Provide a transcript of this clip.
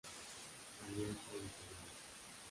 Alianza Editorial.